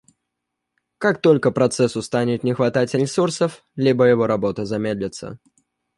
Как только процессу станет не хватать ресурсов, либо его работа замедлится